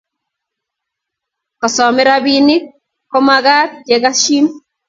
kesamei ropinik komakat kekashin